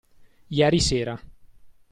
Ieri sera.